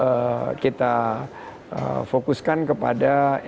terus kita fokuskan kepada ekonomi digital ini